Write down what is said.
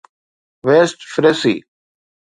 west فريسي